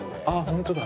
ホントだ。